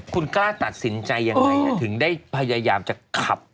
คุณกล้าตัดสินใจยังไงถึงได้พยายามจะขับ